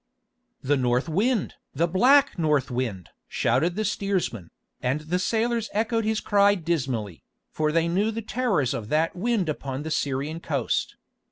"The north wind! The black north wind!" shouted the steersman, and the sailors echoed his cry dismally, for they knew the terrors of that wind upon the Syrian coast.